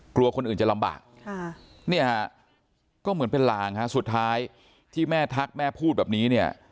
กลัวคนอื่นจะลำบากเนี่ยฮะก็เหมือนเป็นลางฮะสุดท้ายที่แม่ทักแม่พูดแบบนี้เนี่ย